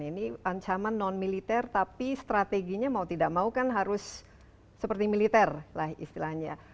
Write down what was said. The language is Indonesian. ini ancaman non militer tapi strateginya mau tidak mau kan harus seperti militer lah istilahnya